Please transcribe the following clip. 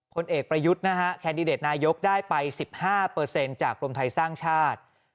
คนเอกประยุทธ์นะฮะแคนดิเดตนายกได้ไปสิบห้าเปอร์เซ็นต์จากกรมไทยสร้างชาติ